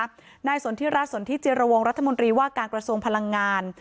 นายสนทิรัฐสนทิจิรวงรัฐมนตรีว่าการกระทรวงพลังงาน